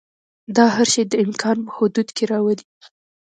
دا هر شی د امکان په حدودو کې راولي.